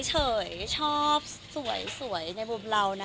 เฉยชอบสวยในมุมเรานะ